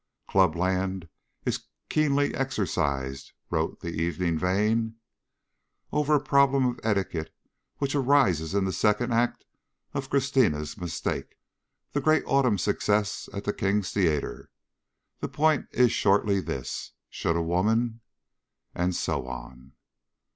"Clubland is keenly exercised," wrote The Evening Vane, "over a problem of etiquette which arises in the Second Act of Christina's Mistake, the great autumn success at The King's Theatre. The point is shortly this. Should a woman ..." And so on.